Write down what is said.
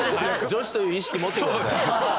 女子という意識持ってください。